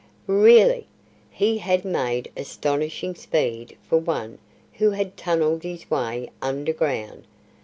Really, he had made astonishing speed for one who had tunnelled his way underground.